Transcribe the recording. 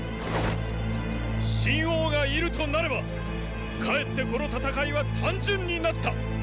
秦王がいるとなればかえってこの戦いは単純になった！